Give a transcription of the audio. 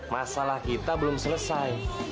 masalah kita belum selesai